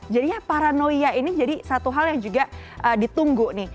jadi ya paranoia ini jadi satu hal yang juga ditunggu nih